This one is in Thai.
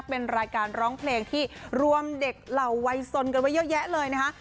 เป็นรายการร้องเพลงที่รวมเด็กเหล่าวัยสนกันไว้เยอะแยะเลยนะคะ